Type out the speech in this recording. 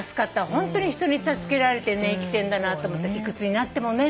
ホントに人に助けられて生きてんだなと思って幾つになってもね。